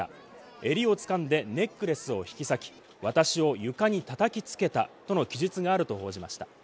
襟を掴んでネックレスを引き裂き、私を床にたたきつけたとの記述があると報じました。